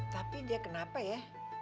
tapi dia kenapa ya